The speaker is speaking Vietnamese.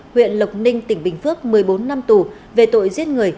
huyện lộc ninh tỉnh bình phước một mươi bốn năm tù về tội giết người